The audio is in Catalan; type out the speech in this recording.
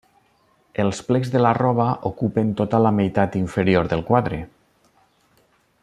Els plecs de la roba ocupen tota la meitat inferior del quadre.